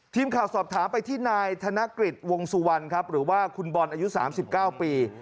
ทีมข่าวสอบถามไปที่นายธนกฤษวงสุวรรณครับหรือว่าคุณบอลอายุ๓๙ปี